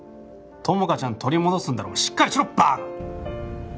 友果ちゃん取り戻すんだろしっかりしろバーカ！